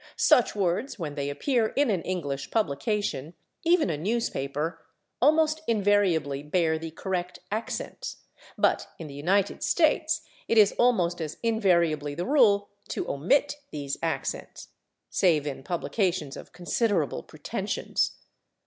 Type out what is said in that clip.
Such words, when they appear in an English publication, even a newspaper, almost invariably bear the correct accents, but in the United States it is almost as invariably the rule to omit these accents, save in publications of considerable pretensions.